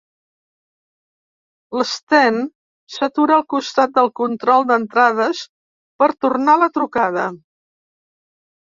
L'Sten s'atura al costat del control d'entrades per tornar la trucada.